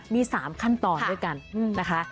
มี๓ขั้นตอนด้วยกันนะคะ